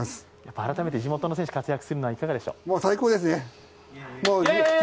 改めて地元の選手が活躍するのはいかがでしょう？